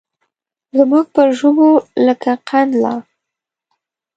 زموږ پر ژبو لکه قند لا